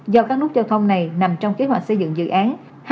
do các nút giao thông này nằm trong kế hoạch xây dựng dự án